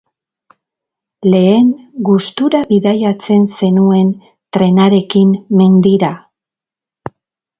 Lehen gustura bidaiatzen zenuen trenarekin mendira.